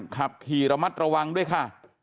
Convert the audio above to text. ขับขี่ระมัดระวังด้วยค่ะ